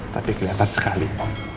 tapi kelihatan sekali